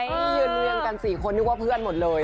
เยือนเมืองกัน๔คนยกว่าเพื่อนหมดเลย